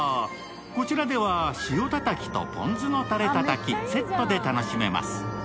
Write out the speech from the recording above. こちらでは塩たたきとポン酢のたれたたき、セットで楽しめます。